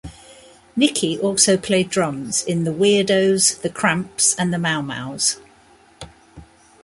Nickey also played drums in The Weirdos, The Cramps and The Mau-Mau's.